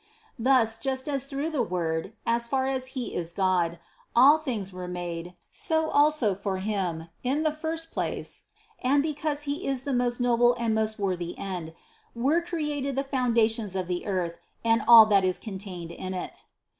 Thus, just as through the Word, as far as He is God, all things were made, so also for Him, in the first place and because He is the most noble and most worthy end, were created the foundations of the earth and all that is con tained in it.